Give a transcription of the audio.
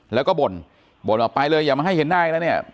แล้วก็บ่นบ่นว่าไปเลยอย่ามาให้เห็นหน้าอีกแล้วเนี่ย